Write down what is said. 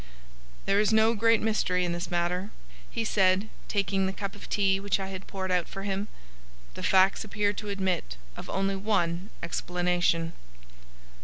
"There is no great mystery in this matter," he said, taking the cup of tea which I had poured out for him. "The facts appear to admit of only one explanation."